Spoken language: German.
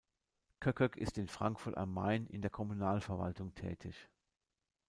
Koekkoek ist in Frankfurt am Main in der Kommunalverwaltung tätig.